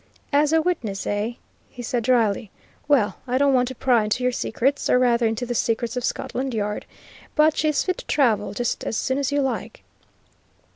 "As a witness, eh?" he said dryly. "Well, I don't want to pry into your secrets, or rather into the secrets of Scotland Yard, but she is fit to travel just as soon as you like."